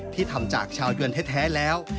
ทำจากชาวยวนแท้แล้ว